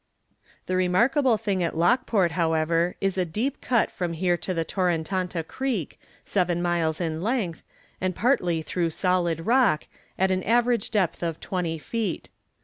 The remarkable thing at Lockport, however, is a deep cut from here to the Torenanta Creek, seven miles in length, and partly through solid rock, at an average depth of twenty feet.